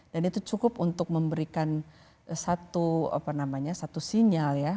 dan itu cukup untuk memberikan satu sinyal ya